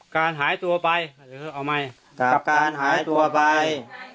การหายตัวไป